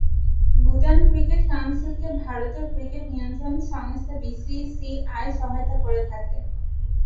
Bhutan cricket কাউন্সিলকে ভারতের cricket নিয়ন্ত্রক সংস্থা বিসিসিআই সহায়তা করে থাকে।